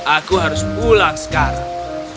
aku harus pulang sekarang